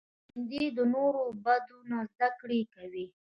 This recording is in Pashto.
ژوندي د نورو بد نه زده کړه کوي